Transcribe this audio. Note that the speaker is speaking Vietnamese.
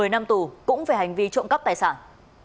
một mươi năm tù cũng về hành vi trộm cắp tài sản